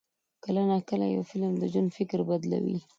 کله ناکله یو فلم د ژوند فکر بدلوي.